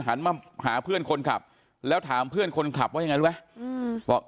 หันมาหาเพื่อนคนขับแล้วถามเพื่อนคนขับว่ายังไงรู้ไหมอืมบอก